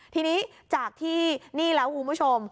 ทีนี้จากที่นี่แล้วคุณผู้ชม